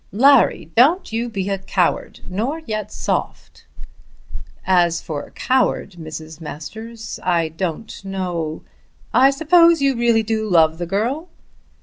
"Larry, don't you be a coward, nor yet soft." "As for coward, Mrs. Masters, I don't know " "I suppose you really do love the girl."